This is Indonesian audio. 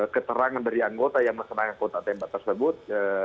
keterangan dari anggota yang melaksanakan kota tembak tersebut